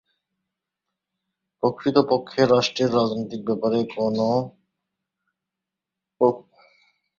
প্রকৃতপক্ষে রাষ্ট্রের রাজনৈতিক ব্যাপারে রাণীর কোন প্রভাব নেই, রাণী কেবল আনুষ্ঠানিকভাবে রাষ্ট্রপ্রধান।